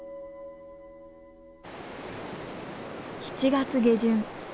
７月下旬。